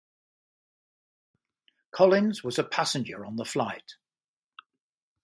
Collins was a passenger on the flight.